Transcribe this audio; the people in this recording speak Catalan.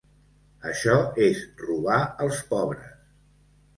Això és robar als pobres.